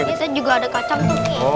kita juga ada kacang ini